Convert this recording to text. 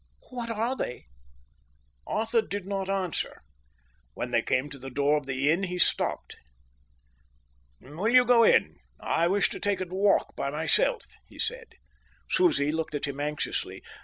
"What are they?" Arthur did not answer. When they came to the door of the inn, he stopped. "Will you go in? I wish to take a walk by myself," he said. Susie looked at him anxiously.